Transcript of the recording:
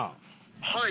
「はい」